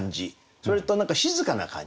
それと静かな感じ。